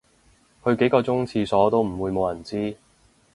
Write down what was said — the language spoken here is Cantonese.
去幾個鐘廁所都唔會無人知